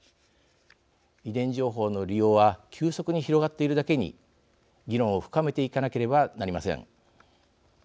遺伝情報の利用は急速に広がっているだけに議論を深めていかなければなりません。